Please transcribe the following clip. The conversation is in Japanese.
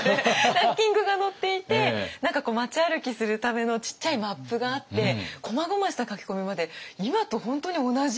ランキングが載っていて何か街歩きするためのちっちゃいマップがあってこまごました書き込みまで今と本当に同じ。